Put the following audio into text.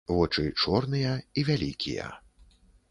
Вочы чорныя і вялікія.